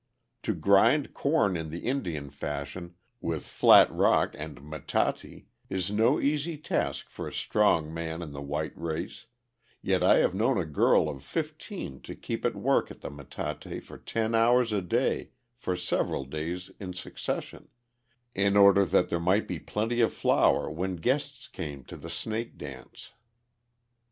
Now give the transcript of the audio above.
To grind corn in the Indian fashion, with flat rock and metate, is no easy task for a strong man of the white race, yet I have known a girl of fifteen to keep at work at the metate for ten hours a day for several days in succession, in order that there might be plenty of flour when guests came to the Snake Dance.